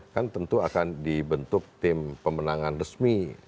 kan tentu akan dibentuk tim pemenangan resmi